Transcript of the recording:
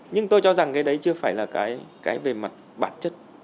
nhưng tôi cho rằng cái đấy chưa phải là cái về mặt bản chất